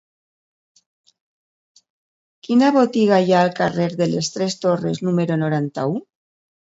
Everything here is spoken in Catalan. Quina botiga hi ha al carrer de les Tres Torres número noranta-u?